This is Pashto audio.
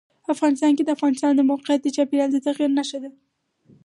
افغانستان کې د افغانستان د موقعیت د چاپېریال د تغیر نښه ده.